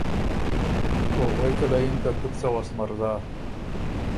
او غوېکه له یِن که ”تُو بو څۀ غوس مرزا“